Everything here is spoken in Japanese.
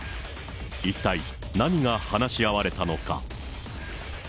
一体、何が話し合われたのか。